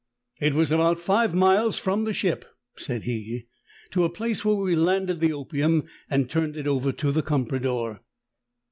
"It was about five miles from the ship, " said he, "to a place where we landed the opium and turned it over to the comprador.